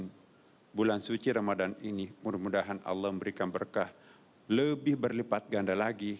dan bulan suci ramadan ini mudah mudahan allah memberikan berkah lebih berlipat ganda lagi